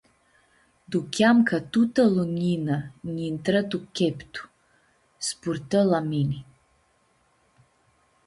Ducheam ca tutã lunjinã nj-intrã tu cheptu, s-purtã la mini.